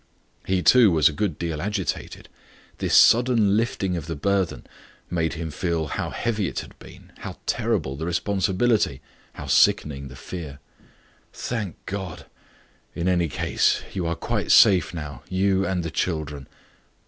He too was a good deal agitated. This sudden lifting of the burthen made him feel how heavy it had been how terrible the responsibility how sickening the fear. "Thank God! In any case, you are quite safe now you and the children!"